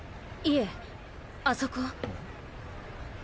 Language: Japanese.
いえあそこ。